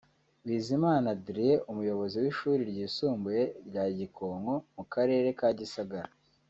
Bizimana Adrien Umuyobozi w’Ishuri Ryisumbuye rya Gikonko mu Karere ka Gisagara